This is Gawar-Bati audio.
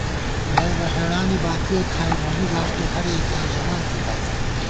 نئیبہ ہېڑانی باتِیَہ کھائی مونی گاݭٹےہر یَکِیاں ژَمانتِتا